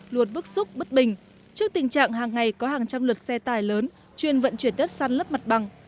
luột bức xúc bất bình trước tình trạng hàng ngày có hàng trăm lượt xe tải lớn chuyên vận chuyển đất san lấp mặt bằng